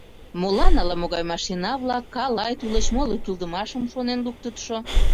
Молан ала-могай машина-влак, калай, тулеч моло кӱлдымашым шонен луктытшо?